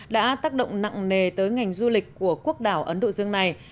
đã tác động nặng nề tới ngành du lịch của quốc đảo ấn độ dương này